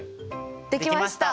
できました！